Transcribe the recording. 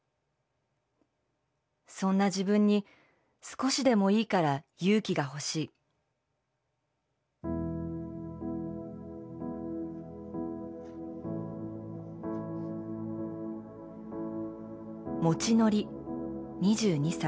そんな自分に少しでもいいから勇気がほしい」。もちのり２２歳。